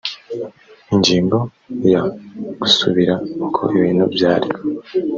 ingingo ya gusubira uko ibintu byari